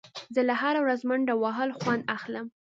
زه له هره ورځ منډه وهل خوند اخلم.